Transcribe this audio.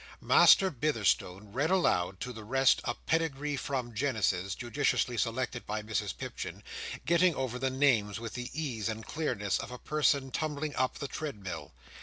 Master Bitherstone read aloud to the rest a pedigree from Genesis (judiciously selected by Mrs Pipchin), getting over the names with the ease and clearness of a person tumbling up the treadmill.